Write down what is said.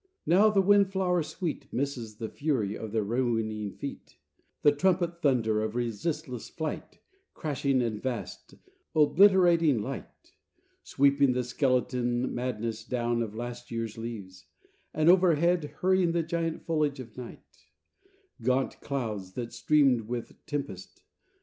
Now the windflower sweet Misses the fury of their ruining feet, The trumpet thunder of resistless flight, Crashing and vast, obliterating light; Sweeping the skeleton madness down Of last year's leaves; and, overhead, Hurrying the giant foliage of night, Gaunt clouds that streamed with tempest.